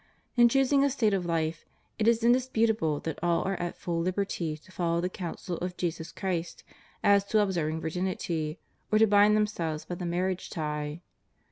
In choosing a state of life, it is indisputable that all are at full hberty to follow the counsel of Jesus Christ as to observing virginity, or to bind themselves by the marriage tie.